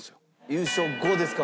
優勝後ですか？